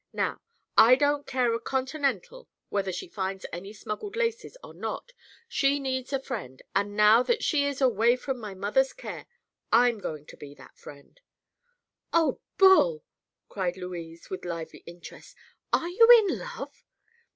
Now, I don't care a continental whether she finds any smuggled laces or not; she needs a friend, and now that she is away from my mother's care I'm going to be that friend." "Oh, Bul!" cried Louise with lively interest, "are you in love?"